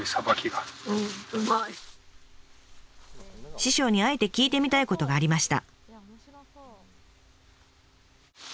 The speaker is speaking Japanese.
師匠にあえて聞いてみたいことがありました。